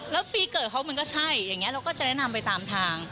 แล้วปีเกิดเขามันก็ใช่อย่างนี้เราก็จะแนะนำไปตามทาง